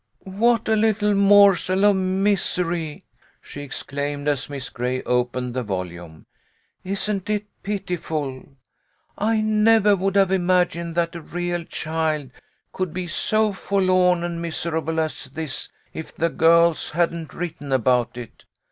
" What a little morsel of misery !" she exclaimed, as Miss Gray opened the volume. " Isn't it pitiful ? I never would have imagined that a real child could be so forlorn and miserable as this if the girls hadn't written about it.